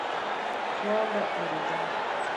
واوره اوورېده